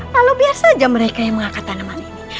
lalu biar saja mereka yang mengangkat tanaman ini